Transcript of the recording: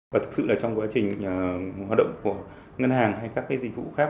và thực sự là trong quá trình hoạt động của ngân hàng hay các dịch vụ khác